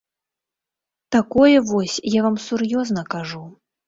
Такое вось, я вам сур'ёзна кажу.